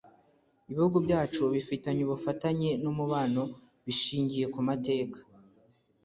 Ibihugu byacu bifitanye ubufatanye n’umubano bishingiye ku mateka